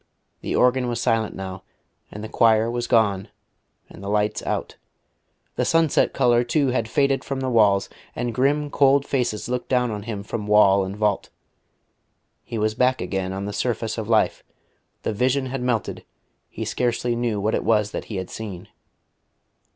The organ was silent now, and the choir was gone, and the lights out. The sunset colour, too, had faded from the walls, and grim cold faces looked down on him from wall and vault. He was back again on the surface of life; the vision had melted; he scarcely knew what it was that he had seen.